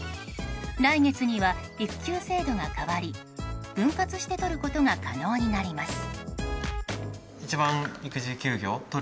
来月には育休制度が変わり分割して取ることが可能になります。